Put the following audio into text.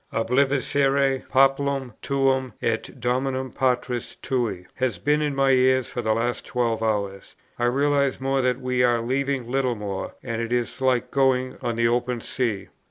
'Obliviscere populum tuum et domum patris tui,' has been in my ears for the last twelve hours. I realize more that we are leaving Littlemore, and it is like going on the open sea."